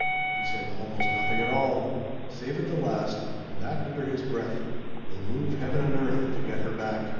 He said almost nothing at all, save at the last, and that under his breath: "We'll move heaven and earth to get her back!"